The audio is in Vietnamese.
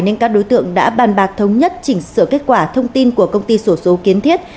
nên các đối tượng đã bàn bạc thống nhất chỉnh sửa kết quả thông tin của công ty sổ số kiến thiết